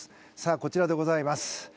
こちらでございます。